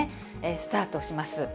スタートします。